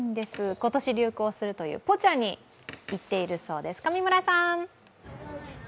今年流行するというポチャに行っているそうです。